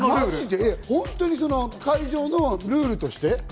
本当に会場のルールとして？